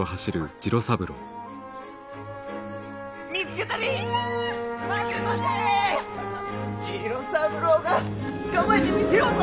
次郎三郎が捕まえてみせようぞ！